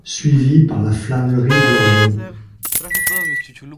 Suivis par la flânerie d'Orion.